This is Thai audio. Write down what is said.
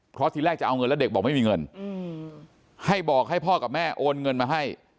เพราะทีแรกจะเอาเงินแล้วเด็กบอกไม่มีเงินให้บอกให้พ่อกับแม่โอนเงินมาให้